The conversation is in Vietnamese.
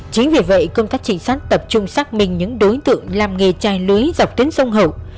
chính vì vậy công tác trình sát tập trung xác minh những đối tượng làm nghề chai lưới dọc tuyến sông hậu